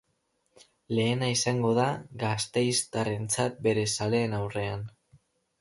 Lehena izango da gasteiztarrentzat bere zaleen aurrean.